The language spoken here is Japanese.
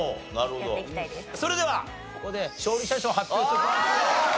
それではここで勝利者賞発表しておきましょう。